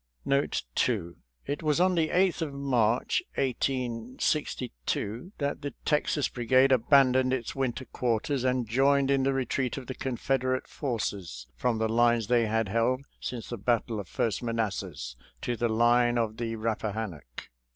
Note 2 — It was on the 8th of March, 1862, that the Texaa Brigade abandoned its winter quarters and joined in the retreat of the Confederate forces from the lines they had held since the battle of First Manassas to the line of the Rappahannock.